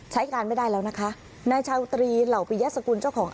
ใช้การไม่ได้แล้วนะคะนายชาวตรีเหล่าปริยสกุลเจ้าของ